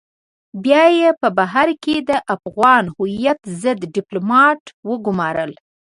بيا يې په بهر کې د افغان هويت ضد ډيپلومات وگمارل.